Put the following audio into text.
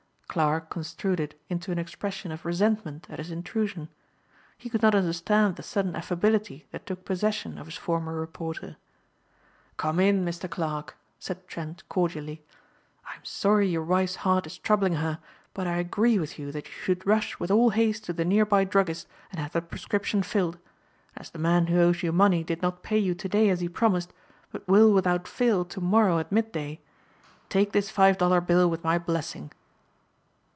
Clarke construed it into an expression of resentment at his intrusion. He could not understand the sudden affability that took possession of his former reporter. "Come in, Mr. Clarke," said Trent cordially. "I am sorry your wife's heart is troubling her but I agree with you that you should rush with all haste to the nearby druggist and have that prescription filled. And as the man who owes you money did not pay you to day as he promised, but will without fail to morrow at midday, take this five dollar bill with my blessing."